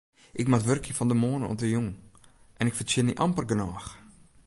Ik moat wurkje fan de moarn oant de jûn en ik fertsjinje amper genôch.